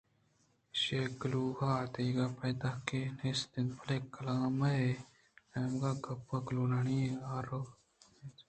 ایشی کُلوہاں دگہ پائدگے نیست بلئے کلام ءِ نیمگ ءَ گپءُ کلوہانی آروک اِنت